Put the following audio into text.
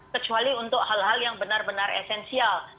kecuali untuk hal hal yang benar benar esensial